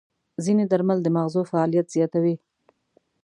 ځینې درمل د ماغزو فعالیت زیاتوي.